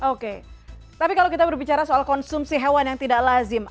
oke tapi kalau kita berbicara soal konsumsi hewan yang tidak lazim